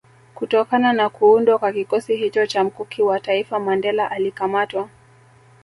Kutokana na kuundwa kwa kikosi hicho cha Mkuki wa taifa Mandela alikamatwa